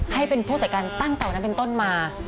ให้เป็นผู้จัดการตั้งแต่วันนั้นเป็นต้นมา